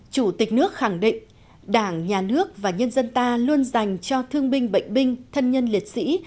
chủ tịch nước khẳng định đảng nhà nước và nhân dân ta luôn dành cho thương binh bệnh binh thân nhân liệt sĩ